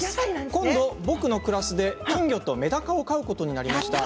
今度、僕のクラスで金魚とめだかを飼うことになりました。